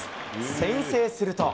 先制すると。